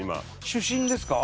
主審ですか？